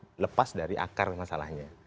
kita tidak boleh lepas dari akar masalahnya